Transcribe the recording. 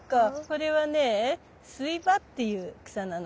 これはねスイバっていう草なの。